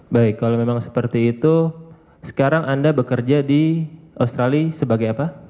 baik kalau memang seperti itu sekarang anda bekerja di australia sebagai apa